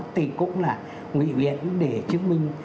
thì cũng là ngụy viện để chứng minh